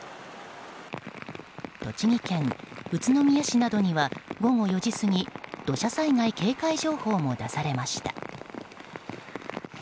栃木県宇都宮市などには午後４時過ぎ土砂災害警戒情報も出されました。